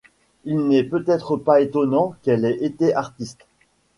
Il n'est peut-être pas étonnant qu'elle ait été artiste.